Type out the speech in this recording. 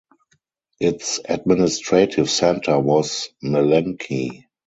Its administrative centre was Melenki.